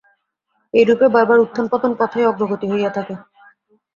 এইরূপে বারবার উত্থান-পতন পথেই অগ্রগতি হইয়া থাকে।